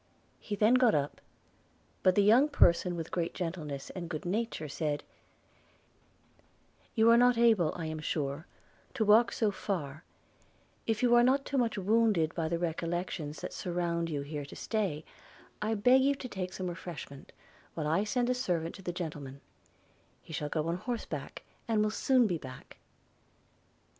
He then got up; but the young person with great gentleness and good nature, said, 'You are not able, I am sure, to walk so far – if you are not too much wounded by the recollections that surround you here to stay, I beg you to take some refreshment, while I send a servant to the gentleman; he shall go on horseback, and will soon be back.'